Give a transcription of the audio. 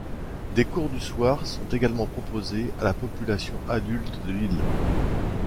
Des cours du soir sont également proposés à la population adulte de l'île.